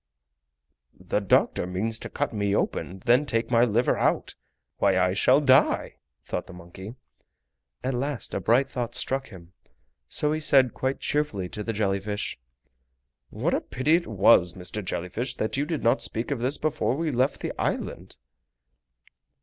"The doctor means to cut me open and then take my liver out! Why I shall die!" thought the monkey. At last a bright thought struck him, so he said quite cheerfully to the jelly fish: "What a pity it was, Mr. Jelly Fish, that you did not speak of this before we left the island!"